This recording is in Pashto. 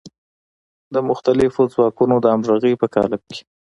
د مختلفو ځواکونو د همغږۍ په قالب کې.